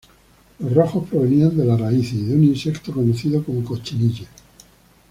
Los rojos provenían de las raíces y de un insecto conocido como cochinilla.